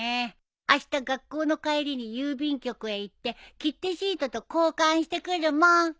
あした学校の帰りに郵便局へ行って切手シートと交換してくるもん！